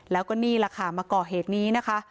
แล้วก็นี่แหละค่ะมาก่อเหตุนี้นะคะ